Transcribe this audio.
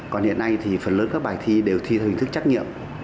còn hiện nay thì phần lớn các bài thi đều thi theo hình thức tự luận